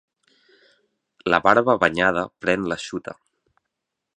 La barba banyada pren l'eixuta.